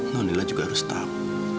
nonila juga harus tahu